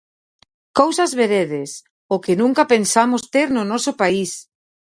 Cousas veredes, ¡o que nunca pensamos ter no noso país!